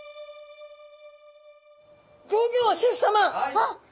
あっ！